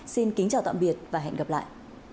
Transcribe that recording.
xin kính chào tạm biệt và hẹn gặp lại